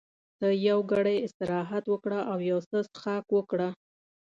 ته یو ګړی استراحت وکړه او یو څه څښاک وکړه.